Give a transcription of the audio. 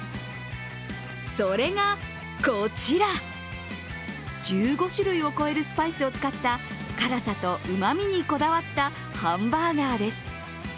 それがこちら１５種類を超えるスパイスを使った、辛さとうまみにこだわったハンバーガーです。